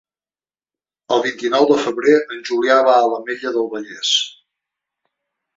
El vint-i-nou de febrer en Julià va a l'Ametlla del Vallès.